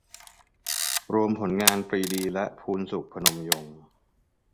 รวมผลงาน ปรีดี และ พูนศุข พนมยงค์